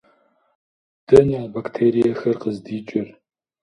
Дэнэ а бактериехэр къыздикӏыр?